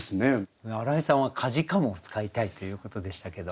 荒井さんは「悴む」を使いたいということでしたけど。